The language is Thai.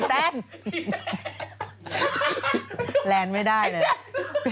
อีแจ๊ะแรนไม่ได้เลย